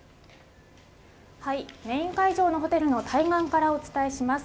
メイン会場のホテルの対岸からお伝えします。